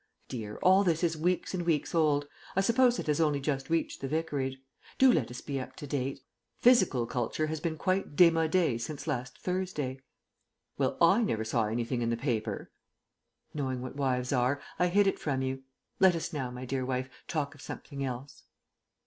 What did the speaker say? Dear, all this is weeks and weeks old; I suppose it has only just reached the Vicarage. Do let us be up to date. Physical culture has been quite démodé since last Thursday." "Well, I never saw anything in the paper" "Knowing what wives are, I hid it from you. Let us now, my dear wife, talk of something else."